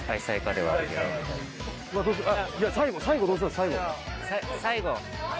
最後。